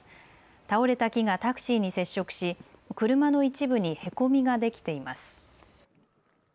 倒れた木がタクシーに接触し車の一部にへこみができています。